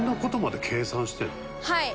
はい。